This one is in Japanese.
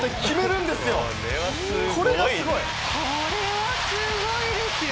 これはすごいですよ。